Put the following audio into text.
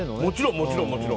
もちろん。